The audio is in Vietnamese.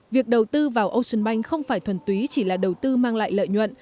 việc đầu tư vào ocean bank không phải thuần túy chỉ là đầu tư mang lại lợi nhuận